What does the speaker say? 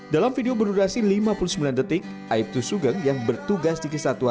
dalam video berdurasi lima puluh sembilan detik aibtu sugeng yang bertugas di kesatuan